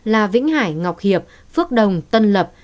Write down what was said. là vĩnh hải ngọc hiệp phước đồng tân lập